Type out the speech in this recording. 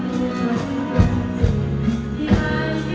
เป็นยังไงบ้าง